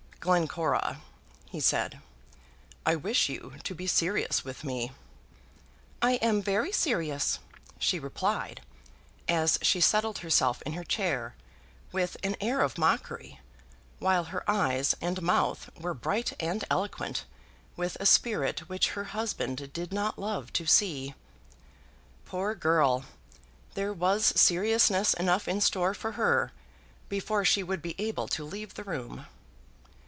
"Glencora," he said, "I wish you to be serious with me." "I am very serious," she replied, as she settled herself in her chair with an air of mockery, while her eyes and mouth were bright and eloquent with a spirit which her husband did not love to see. Poor girl! There was seriousness enough in store for her before she would be able to leave the room.